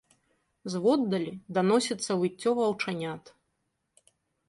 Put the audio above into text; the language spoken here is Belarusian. Зводдалі даносіцца выццё ваўчанят.